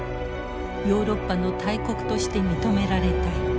ヨーロッパの大国として認められたい。